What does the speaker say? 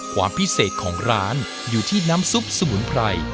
ความพิเศษของร้านอยู่ที่น้ำซุปสมุนไพร